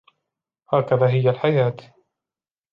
هكذا هي الحياة.